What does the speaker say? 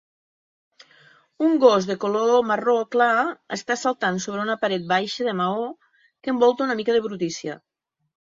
Un gos de color marró clar està saltant sobre una paret baixa de maó que envolta una mica de brutícia.